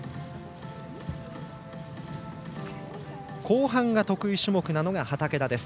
後半が得意種目なのが畠田です。